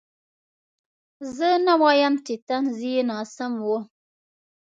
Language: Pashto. زه نه وایم چې طنز یې ناسم و.